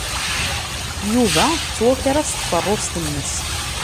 Yuba tettwaker-as tkeṛṛust-nnes.